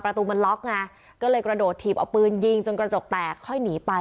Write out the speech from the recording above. ประตูมันล็อกไงก็เลยกระโดดถีบเอาปืนยิงจนกระจกแตกค่อยหนีไป